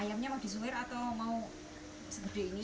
ayamnya mau di suwir atau mau